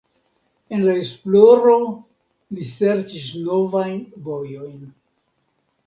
En la esploro li serĉis novajn vojojn.